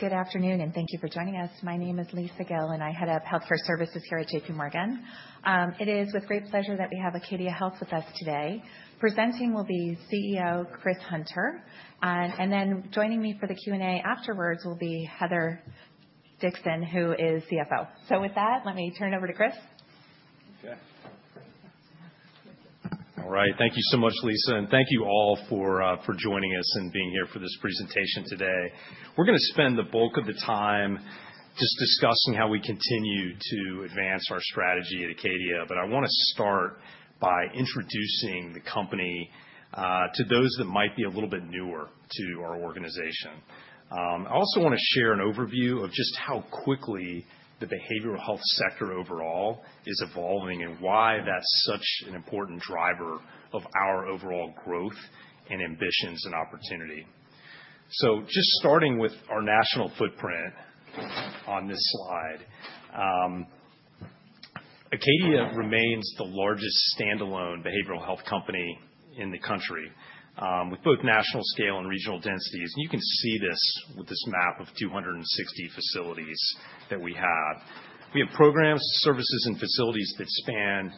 Good afternoon, and thank you for joining us. My name is Lisa Gill, and I head up Healthcare Services here at J.P. Morgan. It is with great pleasure that we have Acadia Healthcare with us today. Presenting will be CEO Chris Hunter, and then joining me for the Q&A afterwards will be Heather Dixon, who is CFO. So with that, let me turn it over to Chris. Okay. All right, thank you so much, Lisa, and thank you all for joining us and being here for this presentation today. We're going to spend the bulk of the time just discussing how we continue to advance our strategy at Acadia, but I want to start by introducing the company to those that might be a little bit newer to our organization. I also want to share an overview of just how quickly the behavioral health sector overall is evolving and why that's such an important driver of our overall growth and ambitions and opportunity. So just starting with our national footprint on this slide, Acadia remains the largest standalone behavioral health company in the country with both national scale and regional densities and you can see this with this map of 260 facilities that we have. We have programs, services, and facilities that span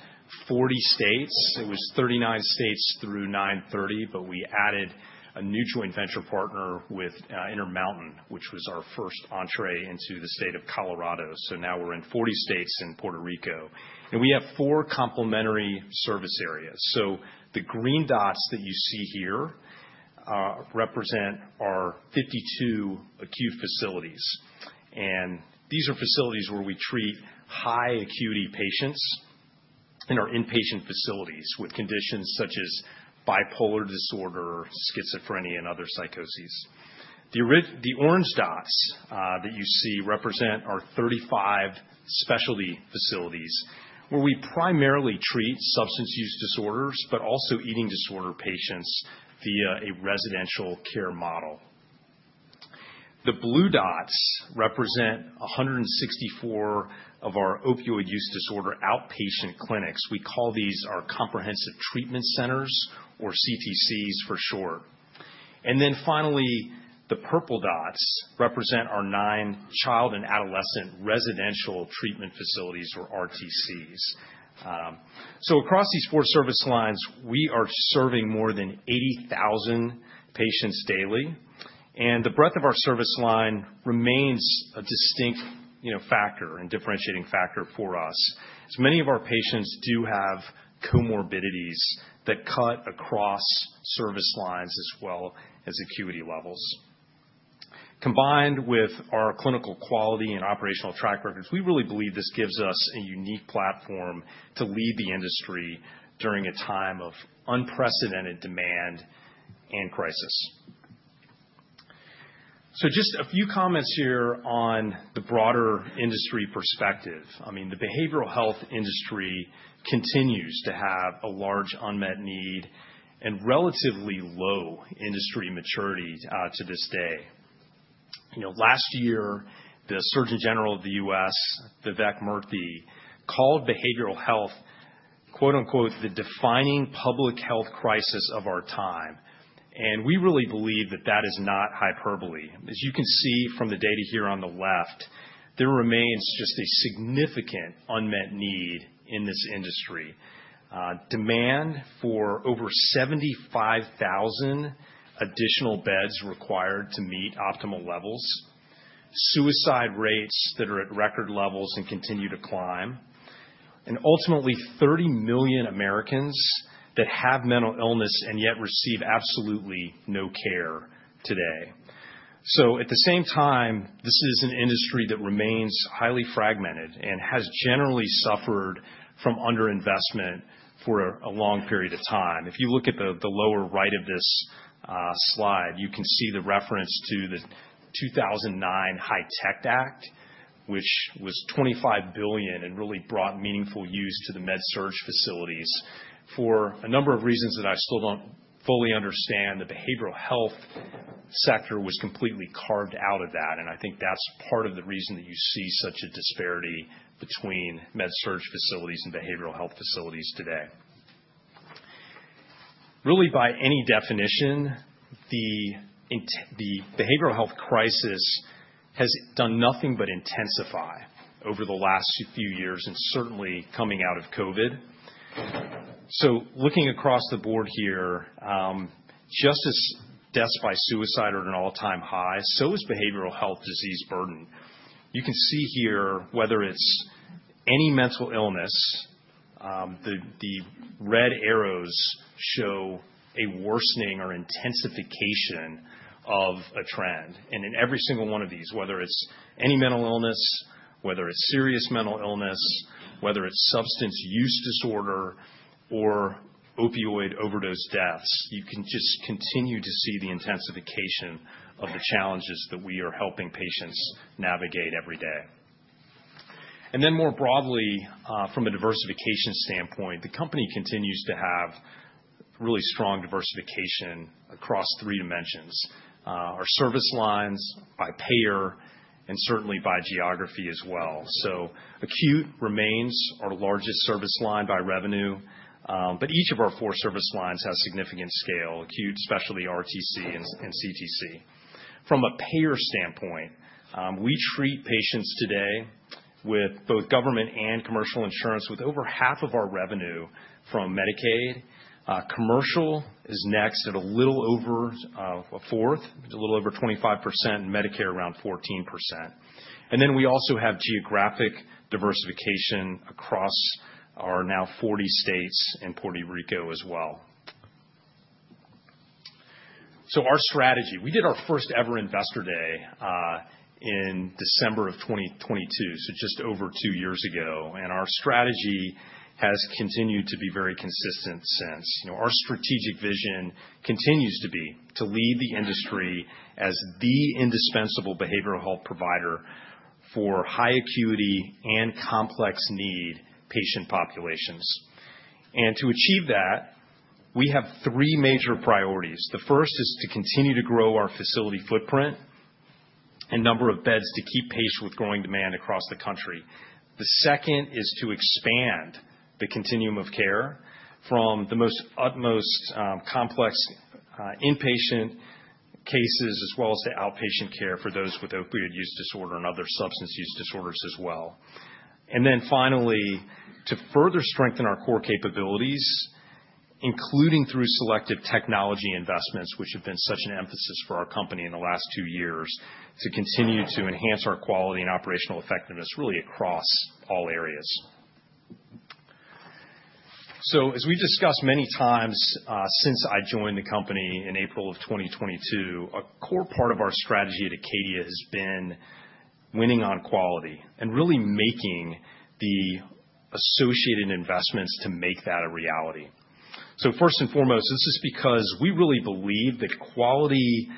40 states it was 39 states through 930, but we added a new joint venture partner with Intermountain, which was our first entry into the state of Colorado so now we're in 40 states and Puerto Rico, and we have four complementary service areas so, the green dots that you see here represent our 52 acute facilities, and these are facilities where we treat high acuity patients. In our inpatient facilities with conditions such as bipolar disorder, schizophrenia, and other psychoses. The orange dots that you see represent our 35 specialty facilities where we primarily treat substance use disorders, but also eating disorder patients via a residential care model. The blue dots represent 164 of our opioid use disorder outpatient clinics we call these our comprehensive treatment centers or CTCs for short. And then finally, the purple dots represent our nine child and adolescent residential treatment facilities or RTCs. So across these four service lines, we are serving more than 80,000 patients daily, and the breadth of our service line remains a distinct factor and differentiating factor for us as many of our patients do have comorbidities that cut across service lines as well as acuity levels. Combined with our clinical quality and operational track records, we really believe this gives us a unique platform to lead the industry during a time of unprecedented demand and crisis. So just a few comments here on the broader industry perspective i mean, the behavioral health industry continues to have a large unmet need and relatively low industry maturity to this day. Last year, the Surgeon General of the U.S., Vivek Murthy. Called behavioral health "the defining public health crisis of our time," and we really believe that that is not hyperbole. As you can see from the data here on the left, there remains just a significant unmet need in this industry. Demand for over 75,000 additional beds required to meet optimal levels, suicide rates that are at record levels and continue to climb, and ultimately 30 million Americans that have mental illness and yet receive absolutely no care today. So at the same time, this is an industry that remains highly fragmented and has generally suffered from underinvestment for a long period of time if you look at the lower right of this slide, you can see the reference to the 2009 HITECH Act, which was $25 billion and really brought meaningful use to the Med-surg facilities for a number of reasons that I still don't fully understand the behavioral health sector was completely carved out of that, and I think that's part of the reason that you see such a disparity between med-surg facilities and behavioral health facilities today. Really, by any definition, the behavioral health crisis has done nothing but intensify over the last few years and certainly coming out of COVID. So looking across the board here, just the deaths by suicide are at an all-time high, so is behavioral health disease burden. You can see here whether it's any mental illness, the red arrows show a worsening or intensification of a trend, and in every single one of these, whether it's any mental illness, whether it's serious mental illness, whether it's substance use disorder or opioid overdose deaths, you can just continue to see the intensification of the challenges that we are helping patients navigate every day. More broadly, from a diversification standpoint, the company continues to have really strong diversification across three dimensions: our service lines by payer and certainly by geography as well. Acute remains our largest service line by revenue, but each of our four service lines has significant scale: acute, specialty, RTC, and CTC. From a payer standpoint, we treat patients today with both government and commercial insurance, with over half of our revenue from Medicaid. Commercial is next at a little over a fourth, a little over 25%, and Medicare around 14%. We also have geographic diversification across our now 40 states and Puerto Rico as well. Our strategy, we did our first ever investor day in December of 2022, so just over two years ago, and our strategy has continued to be very consistent since our strategic vision continues to be to lead the industry as the indispensable behavioral health provider for high acuity and complex need patient populations. And to achieve that, we have three major priorities the first is to continue to grow our facility footprint and number of beds to keep pace with growing demand across the country. The second is to expand the continuum of care from the most utmost complex inpatient cases as well as the outpatient care for those with opioid use disorder and other substance use disorders as well. And then finally, to further strengthen our core capabilities, including through selective technology investments, which have been such an emphasis for our company in the last two years, to continue to enhance our quality and operational effectiveness really across all areas. So as we've discussed many times since I joined the company in April of 2022, a core part of our strategy at Acadia has been winning on quality and really making the associated investments to make that a reality. So first and foremost, this is because we really believe that quality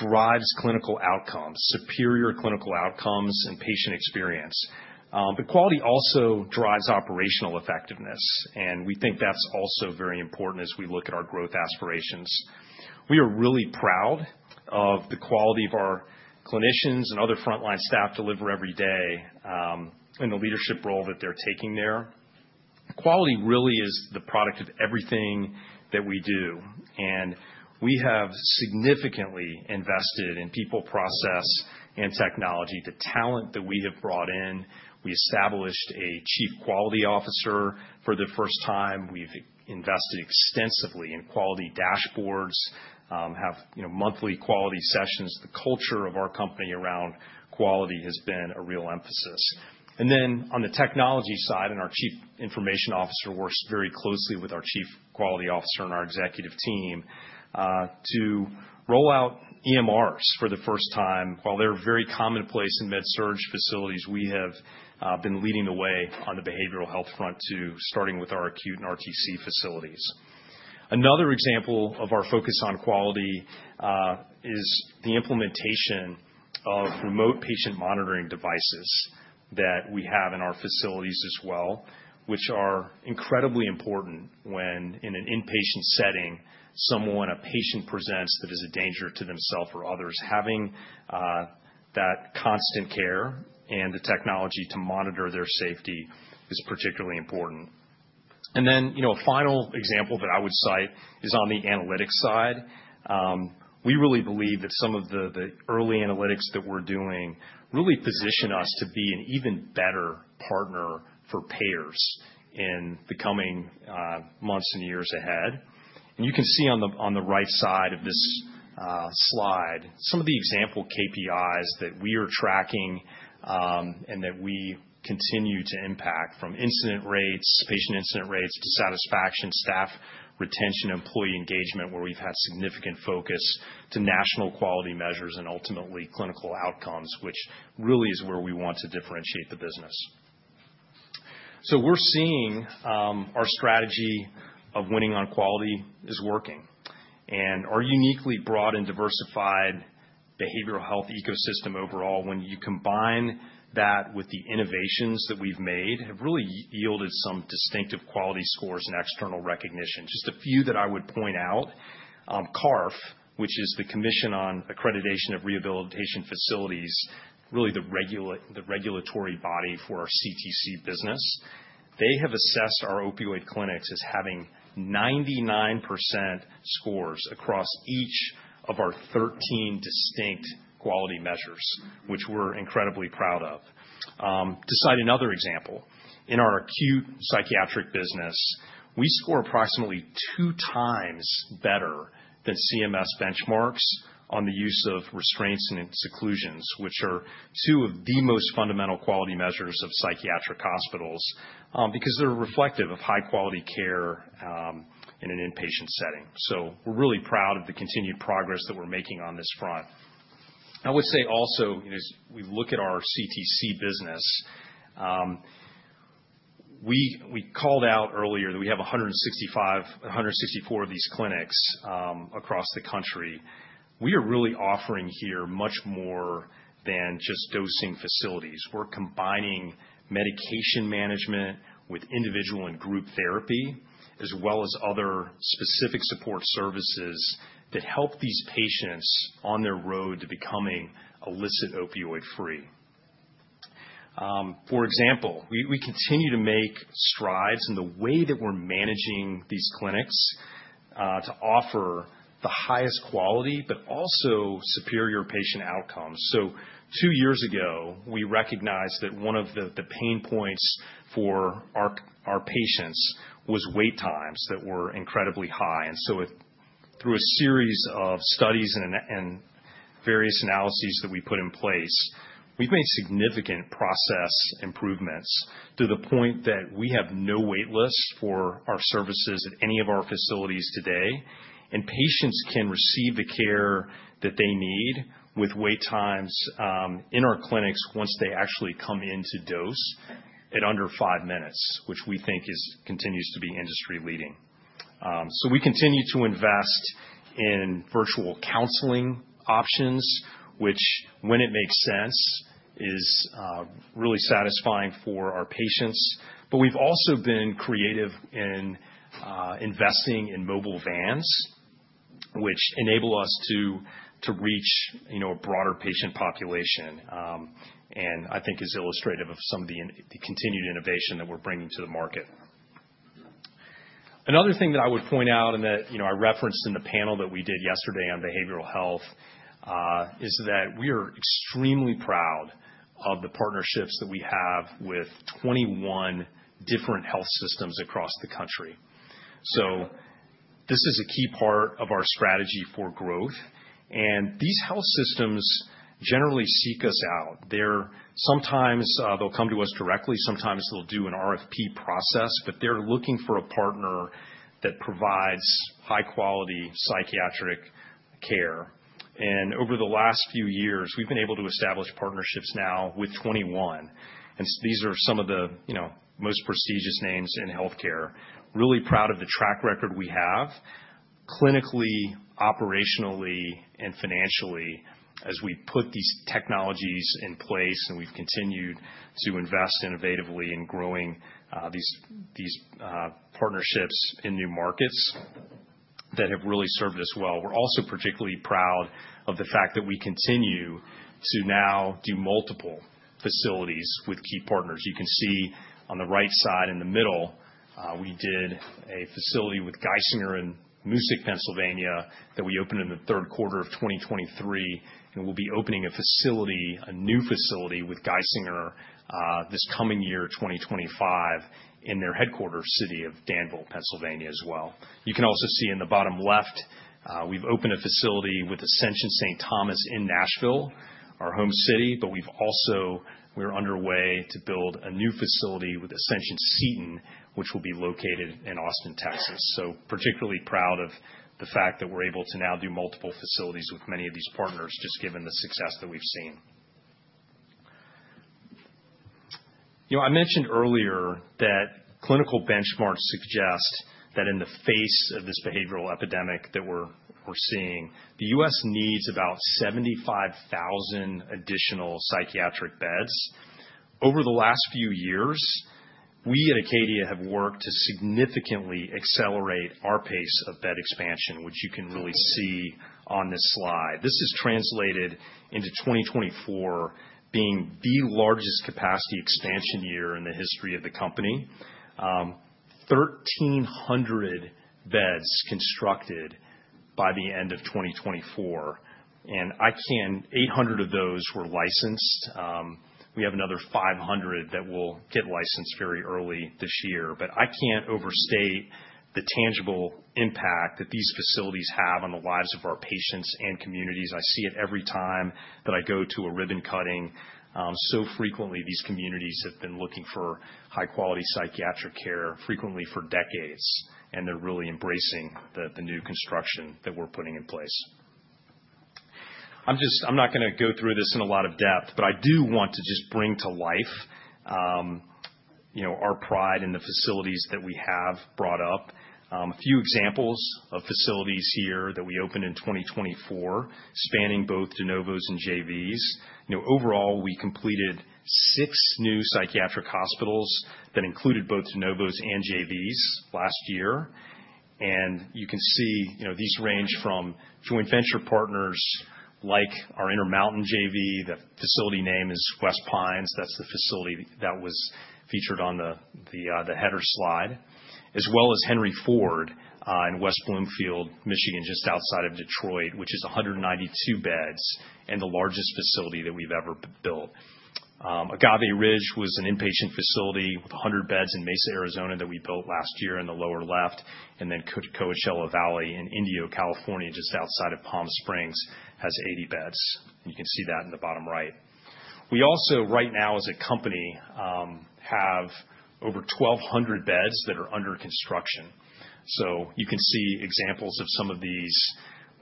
drives clinical outcomes, superior clinical outcomes and patient experience, but quality also drives operational effectiveness, and we think that's also very important as we look at our growth aspirations. We are really proud of the quality of our clinicians and other frontline staff deliver every day in the leadership role that they're taking there. Quality really is the product of everything that we do, and we have significantly invested in people, process, and technology the talent that we have brought in, we established a Chief Quality Officer for the first time we've invested extensively in quality dashboards and have monthly quality sessions the culture of our company around quality has been a real emphasis. And then on the technology side, our Chief Information Officer works very closely with our Chief Quality Officer and our executive team to roll out EMRs for the first time while they're very commonplace in med-surg facilities, we have been leading the way on the behavioral health front too, starting with our acute and RTC facilities. Another example of our focus on quality is the implementation of remote patient monitoring devices that we have in our facilities as well, which are incredibly important when in an inpatient setting someone, a patient presents that is a danger to themself or others having that constant care and the technology to monitor their safety is particularly important. A final example that I would cite is on the analytics side. We really believe that some of the early analytics that we're doing really position us to be an even better partner for payers in the coming months and years ahead. You can see on the right side of this slide some of the example KPIs that we are tracking and that we continue to impact from incident rates, patient incident rates, to satisfaction, staff retention, employee engagement, where we've had significant focus, to national quality measures and ultimately clinical outcomes, which really is where we want to differentiate the business. We're seeing our strategy of winning on quality is working, and our uniquely broad and diversified behavioral health ecosystem overall, when you combine that with the innovations that we've made, have really yielded some distinctive quality scores and external recognition just a few that I would point out: CARF, which is the Commission on Accreditation of Rehabilitation Facilities, really the regulatory body for our CTC business. They have assessed our opioid clinics as having 99% scores across each of our 13 distinct quality measures, which we're incredibly proud of. To cite another example, in our acute psychiatric business, we score approximately two times better than CMS benchmarks on the use of restraints and seclusions, which are two of the most fundamental quality measures of psychiatric hospitals. Because they're reflective of high-quality care in an inpatient setting so we're really proud of the continued progress that we're making on this front. I would say also, as we look at our CTC business, we called out earlier that we have 164 of these clinics across the country. We are really offering here much more than just dosing facilities we're combining medication management with individual and group therapy as well as other specific support services that help these patients on their road to becoming illicit opioid-free. For example, we continue to make strides in the way that we're managing these clinics to offer the highest quality but also superior patient outcomes so, two years ago, we recognized that one of the pain points for our patients was wait times that were incredibly high and so through a series of studies and various analyses that we put in place, we've made significant process improvements to the point that we have no wait list for our services at any of our facilities today. And patients can receive the care that they need with wait times in our clinics once they actually come in to dose at under five minutes, which we think continues to be industry leading. So we continue to invest in virtual counseling options, which when it makes sense is really satisfying for our patients. But we've also been creative in investing in mobile vans, which enable us to reach a broader patient population and I think is illustrative of some of the continued innovation that we're bringing to the market. Another thing that I would point out and that I referenced in the panel that we did yesterday on behavioral health is that we are extremely proud of the partnerships that we have with 21 different health systems across the country. So this is a key part of our strategy for growth, and these health systems generally seek us out. Sometimes they'll come to us directly. Sometimes they'll do an RFP process, but they're looking for a partner that provides high-quality psychiatric care. Over the last few years, we've been able to establish partnerships now with 21, and these are some of the most prestigious names in healthcare. Really proud of the track record we have clinically, operationally, and financially as we put these technologies in place, and we've continued to invest innovatively in growing these partnerships in new markets that have really served us well we're also particularly proud of the fact that we continue. To now do multiple facilities with key partners. You can see on the right side in the middle, we did a facility with Geisinger in Moosic, Pennsylvania, that we opened in the Q3 of 2023, and we'll be opening a facility, a new facility with Geisinger this coming year, 2025, in their headquarters city of Danville, Pennsylvania as well. You can also see in the bottom left, we've opened a facility with Ascension St. Thomas in Nashville, our home city, but we're underway to build a new facility with Ascension Seton, which will be located in Austin, Texas so, particularly proud of the fact that we're able to now do multiple facilities with many of these partners just given the success that we've seen. I mentioned earlier that clinical benchmarks suggest that in the face of this behavioral epidemic that we're seeing, the U.S. needs about 75,000 additional psychiatric beds. Over the last few years, we at Acadia have worked to significantly accelerate our pace of bed expansion, which you can really see on this slide this is translated into 2024 being the largest capacity expansion year in the history of the company, 1,300 beds constructed by the end of 2024. And 800 of those were licensed. We have another 500 that will get licensed very early this year but I can't overstate the tangible impact that these facilities have on the lives of our patients and communities i see it every time that I go to a ribbon cutting. So frequently, these communities have been looking for high-quality psychiatric care for decades, and they're really embracing the new construction that we're putting in place. I'm not going to go through this in a lot of depth, but I do want to just bring to life our pride in the facilities that we have brought up. A few examples of facilities here that we opened in 2024 spanning both de novos and JVs. Overall, we completed six new psychiatric hospitals that included both de novos and JVs last year. And you can see these range from joint venture partners like our Intermountain JV, The facility name is West Pines that's the facility that was featured on the header slide. As well as Henry Ford in West Bloomfield, Michigan, just outside of Detroit, which is 192 beds and the largest facility that we've ever built. Agave Ridge was an inpatient facility with 100 beds in Mesa, Arizona, that we built last year in the lower left. And then Coachella Valley in Indio, California, just outside of Palm Springs, has 80 beds. You can see that in the bottom right. We also, right now as a company, have over 1,200 beds that are under construction. So you can see examples of some of these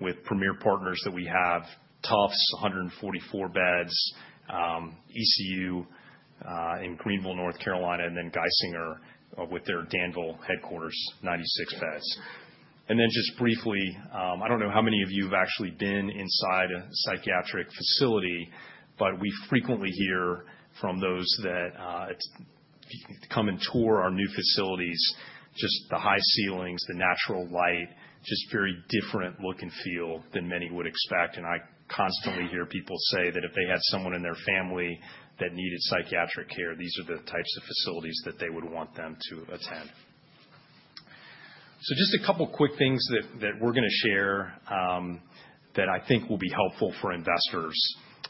with Premier Partners that we have Tufts, 144 beds, ECU in Greenville, North Carolina, and then Geisinger with their Danville headquarters, 96 beds. And then, just briefly, I don't know how many of you have actually been inside a psychiatric facility, but we frequently hear from those that come and tour our new facilities, just the high ceilings, the natural light, just very different look and feel than many would expect and I constantly hear people say that if they had someone in their family that needed psychiatric care, these are the types of facilities that they would want them to attend. So just a couple of quick things that we're going to share that I think will be helpful for investors.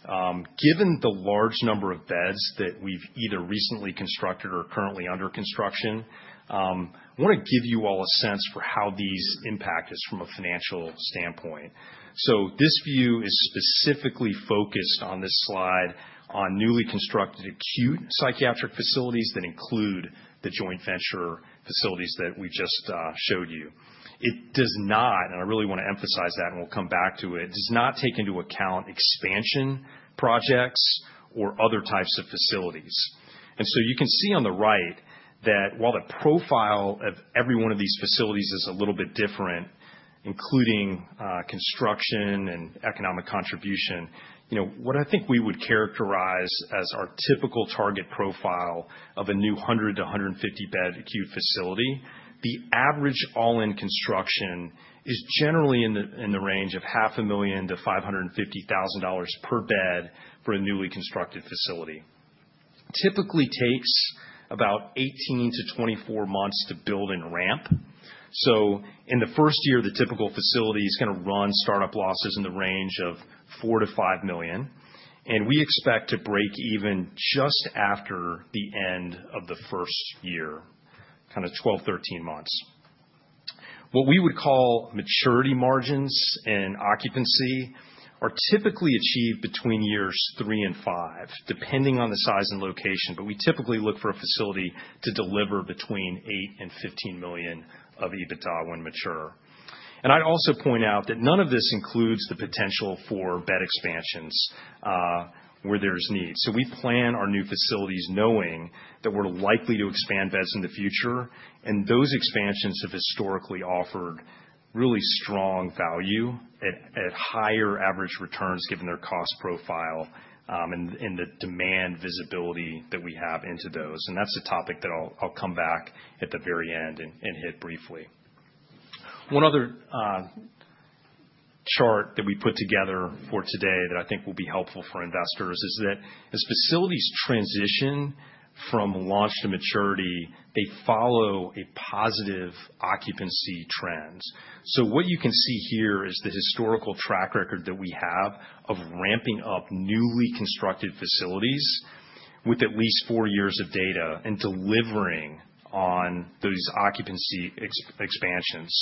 Given the large number of beds that we've either recently constructed or are currently under construction, I want to give you all a sense for how these impact us from a financial standpoint. This view is specifically focused on this slide on newly constructed acute psychiatric facilities that include the joint venture facilities that we just showed you it does not, and I really want to emphasize that, and we'll come back to it, does not take into account expansion projects or other types of facilities. You can see on the right that while the profile of every one of these facilities is a little bit different, including construction and economic contribution, what I think we would characterize as our typical target profile of a new 100-150 bed acute facility, the average all-in construction is generally in the range of $500,000-$550,000 per bed for a newly constructed facility. Typically takes about 18-24 months to build and ramp. In the first year, the typical facility is going to run startup losses in the range of $4-$5 million. We expect to break even just after the end of the first year, kind of 12-13 months. What we would call maturity margins and occupancy are typically achieved between years three and five, depending on the size and location we typically look for a facility to deliver between $8 million and $15 million of EBITDA when mature. I'd also point out that none of this includes the potential for bed expansions where there's need we plan our new facilities knowing that we're likely to expand beds in the future. Those expansions have historically offered really strong value at higher average returns given their cost profile and the demand visibility that we have into those that's a topic that I'll come back at the very end and hit briefly. One other chart that we put together for today that I think will be helpful for investors is that as facilities transition from launch to maturity, they follow a positive occupancy trend. What you can see here is the historical track record that we have of ramping up newly constructed facilities with at least four years of data and delivering on those occupancy expansions.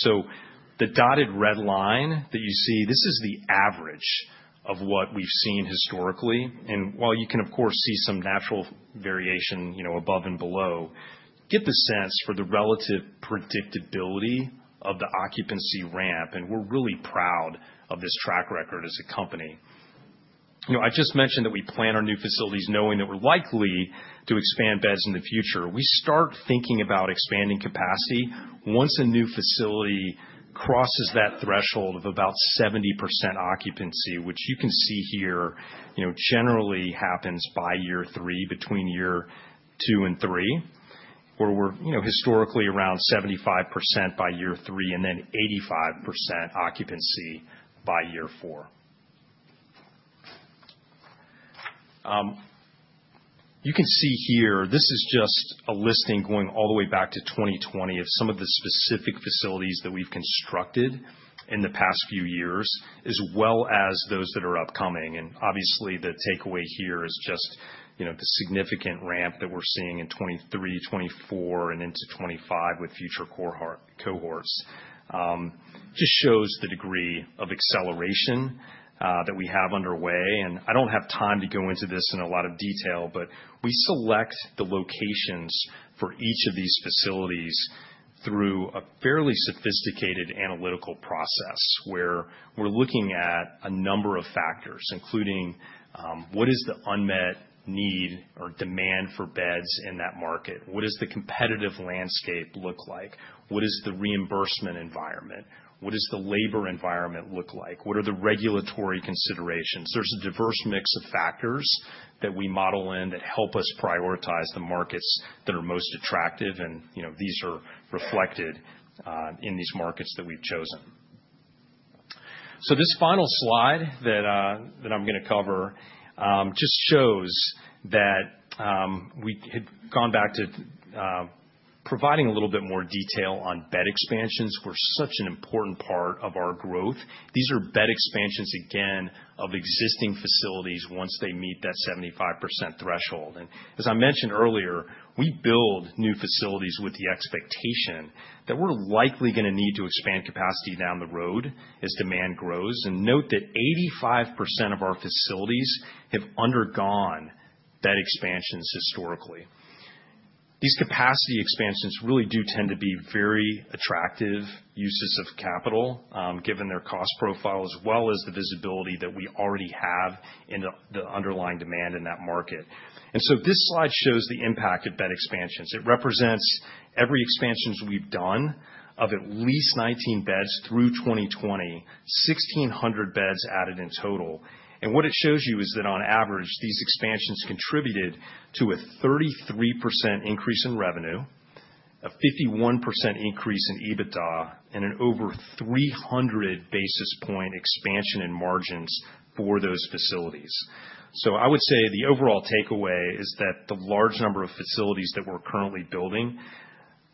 The dotted red line that you see, this is the average of what we've seen historically. While you can, of course, see some natural variation above and below, get the sense for the relative predictability of the occupancy ramp we're really proud of this track record as a company. I just mentioned that we plan our new facilities knowing that we're likely to expand beds in the future we start thinking about expanding capacity once a new facility crosses that threshold of about 70% occupancy, which you can see here generally happens by year three, between year two and three, where we're historically around 75% by year three and then 85% occupancy by year four. You can see here, this is just a listing going all the way back to 2020 of some of the specific facilities that we've constructed in the past few years, as well as those that are upcoming and obviously, the takeaway here is just the significant ramp that we're seeing in 2023, 2024, and into 2025 with future cohorts just shows the degree of acceleration. That we have underway. I don't have time to go into this in a lot of detail, but we select the locations for each of these facilities through a fairly sophisticated analytical process where we're looking at a number of factors, including what is the unmet need or demand for beds in that market? What does the competitive landscape look like? What is the reimbursement environment? What does the labor environment look like? What are the regulatory considerations? There's a diverse mix of factors. That we model in that help us prioritize the markets that are most attractive these are reflected in these markets that we've chosen. This final slide that I'm going to cover just shows that we had gone back to providing a little bit more detail on bed expansions, which were such an important part of our growth. These are bed expansions, again, of existing facilities once they meet that 75% threshold. And as I mentioned earlier, we build new facilities with the expectation that we're likely going to need to expand capacity down the road as demand grows and note that 85% of our facilities have undergone bed expansions historically. These capacity expansions really do tend to be very attractive uses of capital given their cost profile, as well as the visibility that we already have in the underlying demand in that market. And so this slide shows the impact of bed expansions it represents every expansion we've done of at least 19 beds through 2020, 1,600 beds added in total. And what it shows you is that on average, these expansions contributed to a 33% increase in revenue, a 51% increase in EBITDA, and an over 300 basis point expansion in margins for those facilities. So I would say the overall takeaway is that the large number of facilities that we're currently building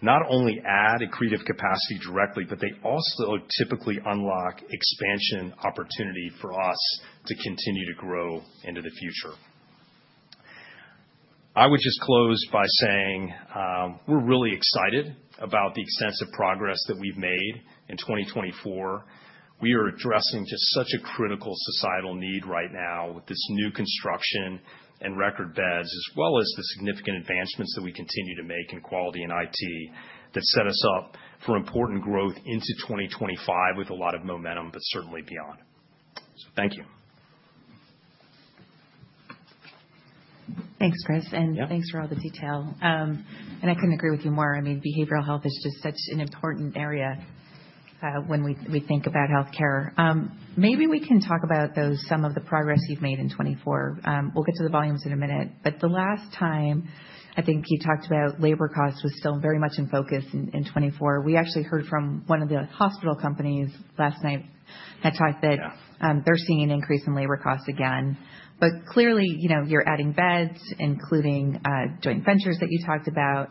not only add accretive capacity directly, but they also typically unlock expansion opportunity for us to continue to grow into the future. I would just close by saying we're really excited about the extensive progress that we've made in 2024. We are addressing just such a critical societal need right now with this new construction and record beds, as well as the significant advancements that we continue to make in quality and IT that set us up for important growth into 2025 with a lot of momentum, but certainly beyond. So thank you. Thanks, Chris, and thanks for all the detail. I couldn't agree with you more i mean, behavioral health is just such an important area when we think about healthcare. Maybe we can talk about some of the progress you've made in 2024. We'll get to the volumes in a minute, but the last time. I think you talked about labor costs was still very much in focus in 2024 we actually heard from one of the hospital companies last night that talked that they're seeing an increase in labor costs again, but clearly, you're adding beds, including joint ventures that you talked about.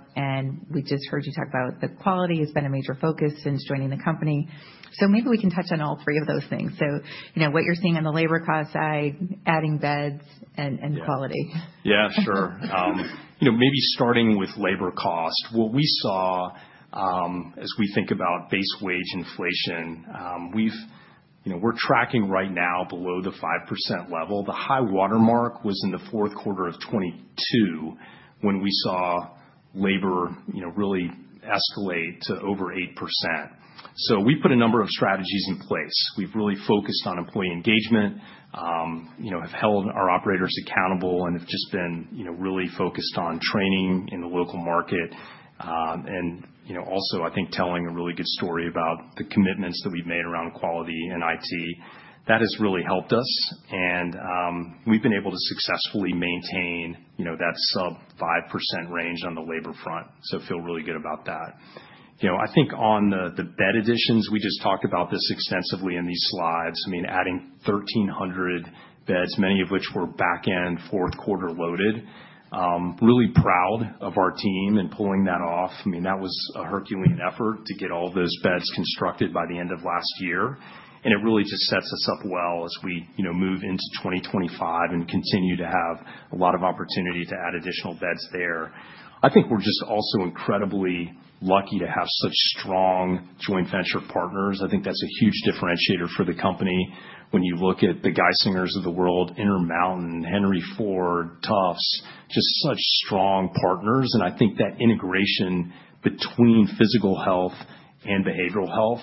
We just heard you talk about the quality has been a major focus since joining the company, so maybe we can touch on all three of those things, so what you're seeing on the labor cost side, adding beds and quality. Yeah, sure. Maybe starting with labor cost, what we saw as we think about base wage inflation, we're tracking right now below the 5% level the high watermark was in the Q4 of 2022 when we saw labor really escalate to over 8%. So we've put a number of strategies in place. We've really focused on employee engagement. Have held our operators accountable, and have just been really focused on training in the local market. And also, I think telling a really good story about the commitments that we've made around quality and IT, that has really helped us. And we've been able to successfully maintain that sub-5% range on the labor front. So feel really good about that. I think on the bed additions, we just talked about this extensively in these slides. I mean, adding 1,300 beds, many of which were back-end Q4 loaded. Really proud of our team and pulling that off i mean, that was a Herculean effort to get all those beds constructed by the end of last year, and it really just sets us up well as we move into 2025 and continue to have a lot of opportunity to add additional beds there. I think we're just also incredibly lucky to have such strong joint venture partners i think that's a huge differentiator for the company. When you look at the Geisinger of the world, Intermountain, Henry Ford, Tufts, just such strong partners, and I think that integration between physical health and behavioral health.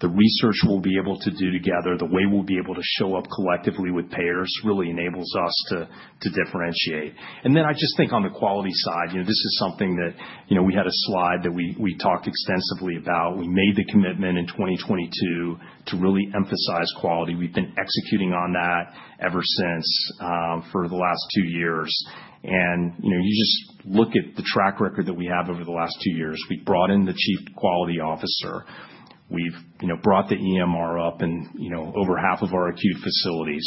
The research we'll be able to do together, the way we'll be able to show up collectively with payers really enables us to differentiate. And then I just think on the quality side, this is something that we had a slide that we talked extensively about we made the commitment in 2022 to really emphasize quality we've been executing on that ever since for the last two years. And you just look at the track record that we have over the last two years we've brought in the Chief Quality Officer. We've brought the EMR up in over half of our acute facilities.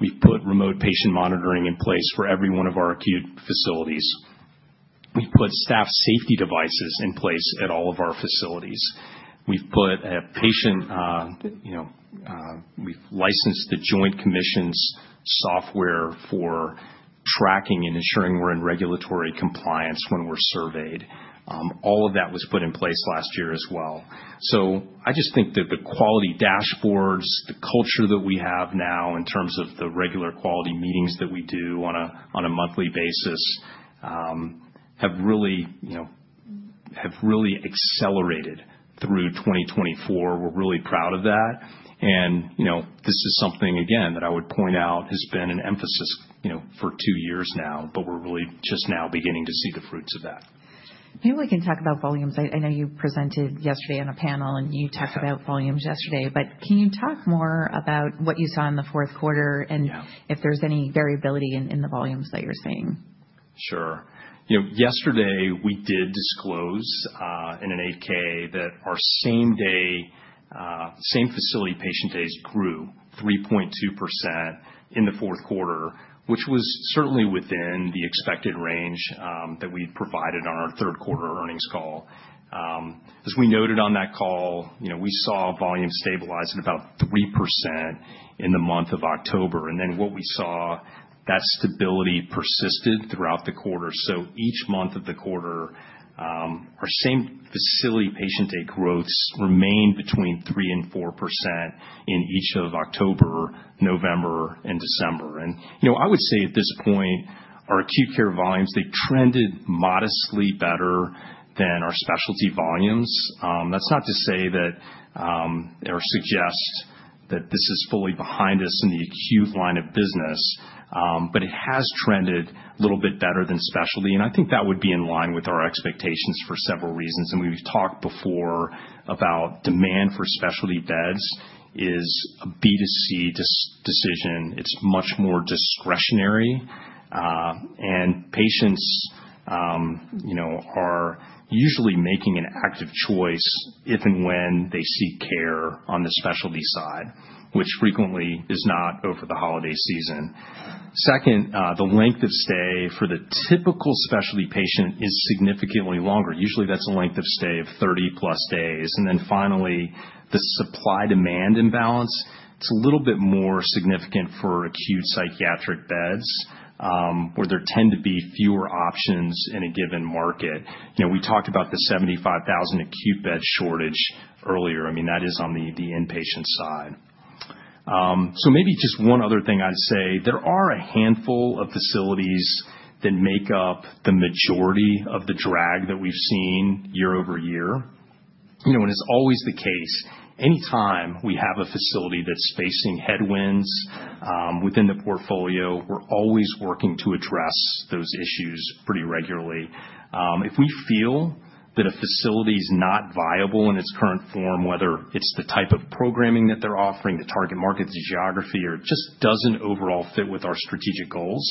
We've put remote patient monitoring in place for every one of our acute facilities. We've put staff safety devices in place at all of our facilities. We've put patient safety in place we've licensed The Joint Commission's software for tracking and ensuring we're in regulatory compliance when we're surveyed. All of that was put in place last year as well. I just think that the quality dashboards, the culture that we have now in terms of the regular quality meetings that we do on a monthly basis have really accelerated through 2024 we're really proud of that. This is something, again, that I would point out has been an emphasis for two years now, but we're really just now beginning to see the fruits of that. Maybe we can talk about volume i know you presented yesterday on a panel, and you talked about volumes yesterday. But can you talk more about what you saw in the Q4 and if there's any variability in the volumes that you're seeing? Sure. Yesterday, we did disclose in an 8-K that our same day, same facility patient days grew 3.2% in the Q4, which was certainly within the expected range that we provided on our Q3 earnings call. As we noted on that call, we saw volume stabilize at about 3% in the month of October and then what we saw, that stability persisted throughout the quarter so, each month of the quarter, our same facility patient day growths remained between 3 and 4% in each of October, November, and December and I would say at this point, our acute care volumes, they trended modestly better than our specialty volumes. That's not to say that or suggest that this is fully behind us in the acute line of business. But it has trended a little bit better than specialty i think that would be in line with our expectations for several reasons we've talked before about demand for specialty beds is a B to C decision it's much more discretionary. Patients are usually making an active choice if and when they seek care on the specialty side, which frequently is not over the holiday season. Second, the length of stay for the typical specialty patient is significantly longer usually, that's a length of stay of 30 plus days then finally, the supply-demand imbalance, it's a little bit more significant for acute psychiatric beds where there tend to be fewer options in a given market. We talked about the 75,000 acute bed shortage earlier i mean, that is on the inpatient side. Maybe just one other thing I'd say. There are a handful of facilities that make up the majority of the drag that we've seen year over year. And it's always the case. Anytime we have a facility that's facing headwinds within the portfolio, we're always working to address those issues pretty regularly. If we feel that a facility is not viable in its current form, whether it's the type of programming that they're offering, the target markets, the geography, or it just doesn't overall fit with our strategic goals,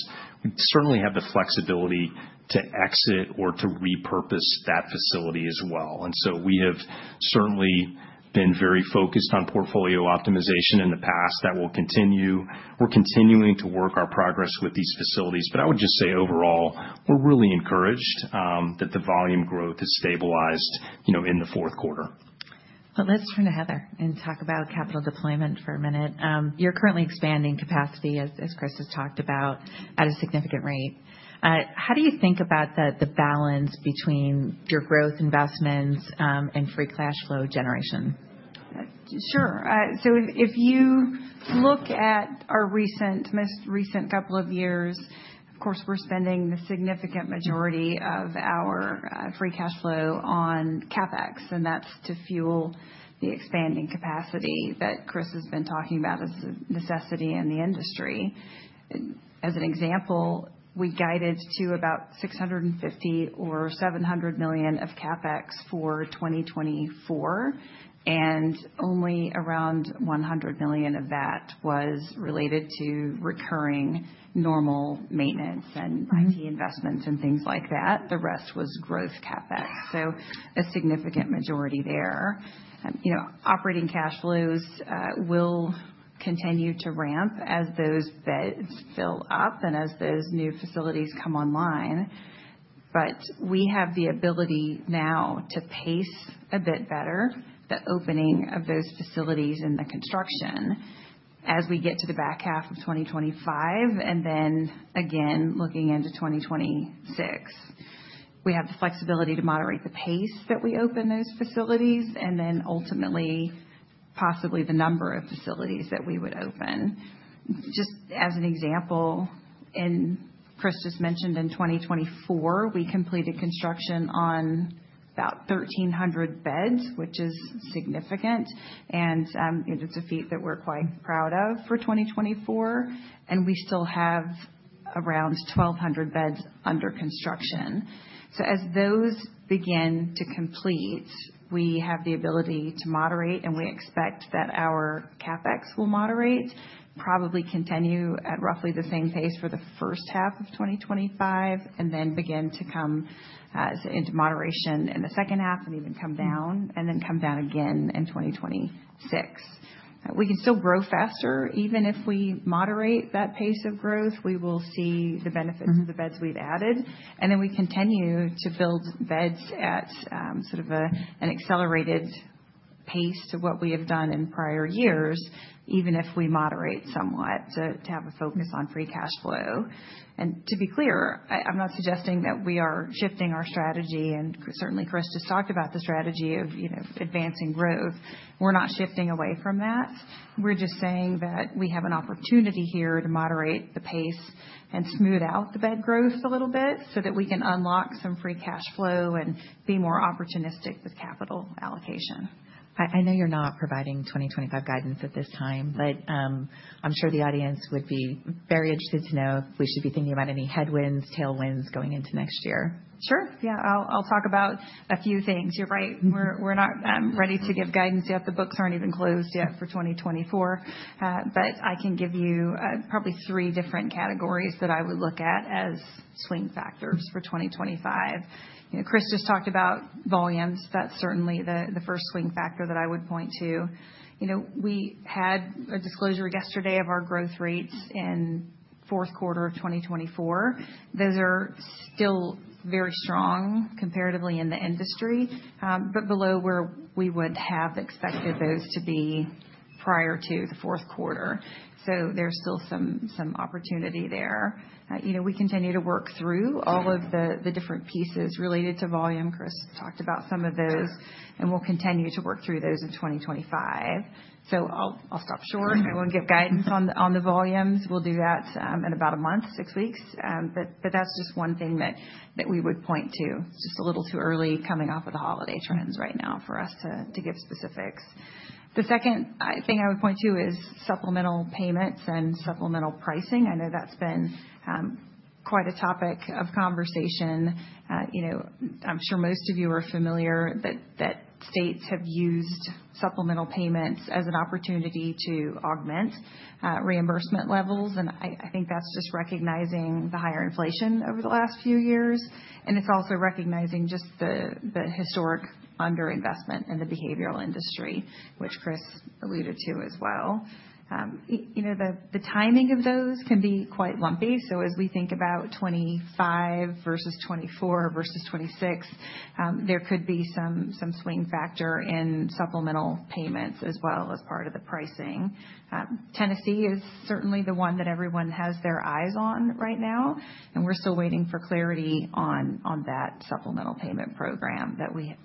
we certainly have the flexibility to exit or to repurpose that facility as well and so we have certainly been very focused on portfolio optimization in the past that will continue. We're continuing to work our progress with these facilities but I would just say overall, we're really encouraged that the volume growth has stabilized in the Q4. Let's turn to Heather and talk about capital deployment for a minute. You're currently expanding capacity, as Chris has talked about, at a significant rate. How? do you think about the balance between your growth investments and free cash flow generation? Sure. So if you look at our recent, most recent couple of years, of course, we're spending the significant majority of our free cash flow on CapEx and that's to fuel the expanding capacity that Chris has been talking about as a necessity in the industry. As an example, we guided to about $650 million or $700 million of CapEx for 2024. And only around $100 million of that was related to recurring normal maintenance and IT investments and things like that the rest was growth CapEx so, a significant majority there. Operating cash flows will continue to ramp as those beds fill up and as those new facilities come online. But we have the ability now to pace a bit better the opening of those facilities in the construction as we get to the back half of 2025 and then again looking into 2026. We have the flexibility to moderate the pace that we open those facilities and then ultimately possibly the number of facilities that we would open. Just as an example, and Chris just mentioned in 2024, we completed construction on about 1,300 beds, which is significant. And it's a feat that we're quite proud of for 2024. And we still have around 1,200 beds under construction. So as those begin to complete, we have the ability to moderate, and we expect that our CapEx will moderate, probably continue at roughly the same pace for the first half of 2025, and then begin to come into moderation in the second half and even come down and then come down again in 2026. We can still grow faster even if we moderate that pace of growth, we will see the benefits of the beds we've added. Then we continue to build beds at sort of an accelerated pace to what we have done in prior years, even if we moderate somewhat to have a focus on free cash flow. To be clear, I'm not suggesting that we are shifting our strategy. Certainly, Chris just talked about the strategy of advancing growth. We're not shifting away from that. We're just saying that we have an opportunity here to moderate the pace and smooth out the bed growth a little bit so that we can unlock some free cash flow and be more opportunistic with capital allocation. I know you're not providing 2025 guidance at this time, but I'm sure the audience would be very interested to know if we should be thinking about any headwinds, tailwinds going into next year. Sure. yeah I'll talk about a few things you're right. We're not ready to give guidance yet the books aren't even closed yet for 2024. But I can give you probably three different categories that I would look at as swing factors for 2025. Chris just talked about volumes that's certainly the first swing factor that I would point to. We had a disclosure yesterday of our growth rates in Q4 of 2024. Those are still very strong comparatively in the industry, but below where we would have expected those to be prior to the Q4. So there's still some opportunity there. We continue to work through all of the different pieces related to volume Chris talked about some of those, and we'll continue to work through those in 2025. So I'll stop short i won't give guidance on the volumes we'll do that in about a month, six weeks but that's just one thing that we would point to it's just a little too early coming off of the holiday trends right now for us to give specifics. The second thing I would point to is supplemental payments and supplemental pricing i know that's been quite a topic of conversation. I'm sure most of you are familiar that states have used supplemental payments as an opportunity to augment reimbursement levels and I think that's just recognizing the higher inflation over the last few years. And it's also recognizing just the historic underinvestment in the behavioral industry, which Chris alluded to as well. The timing of those can be quite lumpy so as we think about 2025 versus 2024 versus 2026, there could be some swing factor in supplemental payments as well as part of the pricing. Tennessee is certainly the one that everyone has their eyes on right now, and we're still waiting for clarity on that supplemental payment program that we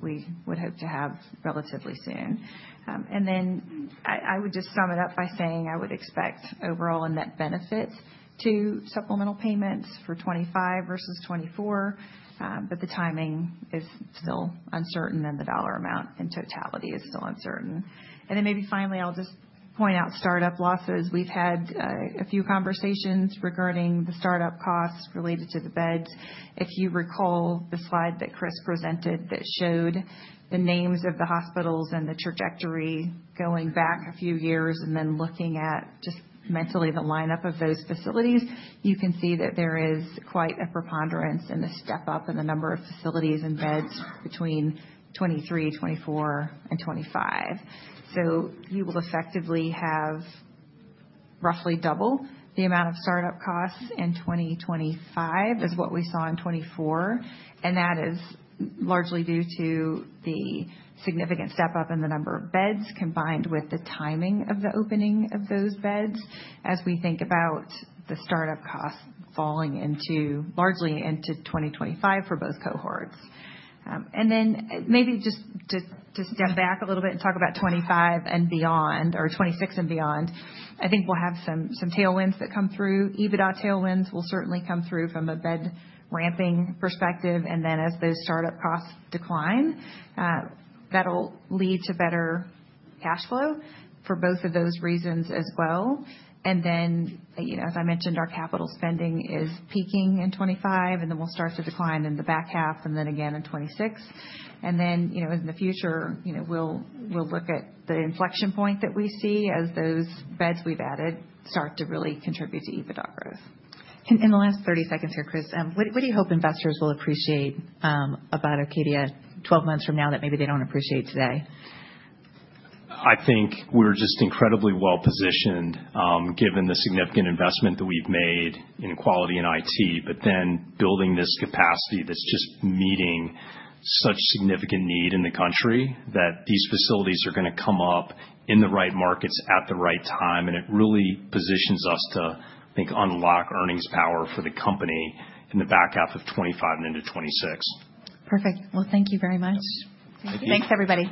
would hope to have relatively soon. And then I would just sum it up by saying I would expect overall a net benefit to supplemental payments for 2025 versus 2024, but the timing is still uncertain, and the dollar amount in totality is still uncertain. And then maybe finally, I'll just point out startup losses we've had a few conversations regarding the startup costs related to the beds. If you recall the slide that Chris presented that showed the names of the hospitals and the trajectory going back a few years and then looking at just mentally the lineup of those facilities, you can see that there is quite a preponderance in the step-up in the number of facilities and beds between 2023, 2024, and 2025. So you will effectively have roughly double the amount of startup costs in 2025 as what we saw in 2024. And that is largely due to the significant step-up in the number of beds combined with the timing of the opening of those beds as we think about the startup costs falling largely into 2025 for both cohorts. And then maybe just to step back a little bit and talk about 2025 and beyond or 2026 and beyond. I think we'll have some tailwinds that come through EBITDA tailwinds will certainly come through from a bed ramping perspective and then as those startup costs decline, that'll lead to better cash flow for both of those reasons as well. And then, as I mentioned, our capital spending is peaking in 2025, and then we'll start to decline in the back half and then again in 2026. And then in the future, we'll look at the inflection point that we see as those beds we've added start to really contribute to EBITDA growth. In the last 30 seconds here, Chris, what do you hope investors will appreciate about Acadia 12 months from now that maybe they don't appreciate today? I think we're just incredibly well-positioned given the significant investment that we've made in quality in IT, but then building this capacity that's just meeting such significant need in the country that these facilities are going to come up in the right markets at the right time, and it really positions us to, I think, unlock earnings power for the company in the back half of 2025 and into 2026. Perfect. Well, thank you very much. Thank you. Thanks, everybody.